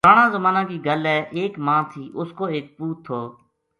پرانا زمانا کی گل ہے ایک ماں تھی اُس کو ایک پوُت تھو